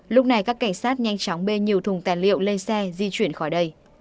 lúc này các cảnh sát nhanh chóng bê nhiều thùng tài liệu lên xe di chuyển khỏi đây